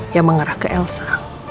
yang mengarah ke elsa